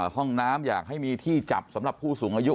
ห้องน้ำอยากให้มีที่จับสำหรับผู้สูงอายุ